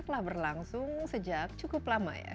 telah berlangsung sejak cukup lama ya